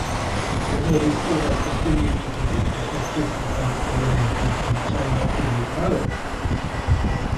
The Holy See has continued to consider the episcopal ordinations in China fully valid.